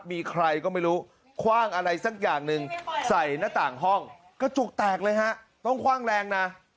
มีใครก็ไม่รู้คว่างอะไรสักอย่างหนึ่งใส่หน้าต่างห้องกระจกแตกเลยฮะต้องคว่างแรงนะ